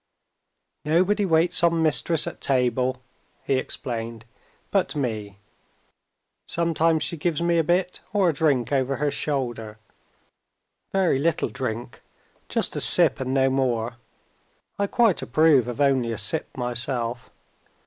"Nobody waits on Mistress at table," he explained, "but me. Sometimes she gives me a bit or a drink over her shoulder. Very little drink just a sip, and no more. I quite approve of only a sip myself.